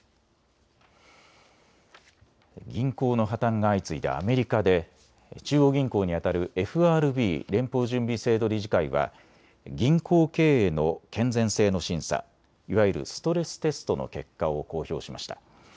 銀行の破綻が相次いだアメリカで中央銀行にあたるＦＲＢ・連邦準備制度理事会は銀行経営の健全性の審査、いわゆるストレステストの結果を公表しました。